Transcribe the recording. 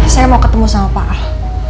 saya mau ketemu sama pak ar